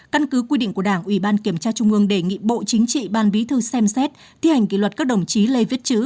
căn cứ quy định của đảng ủy ban kiểm tra trung ương đề nghị bộ chính trị ban bí thư xem xét thi hành kỷ luật các đồng chí lê viết chứ